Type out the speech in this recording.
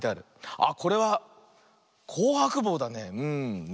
あっこれは「こうはくぼう」だね。